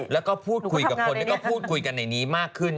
แล้วก็พูดคุยกับคนที่ก็พูดคุยกันในนี้มากขึ้น